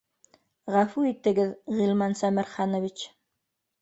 — Ғәфү итегеҙ, Ғилман Сәмерханович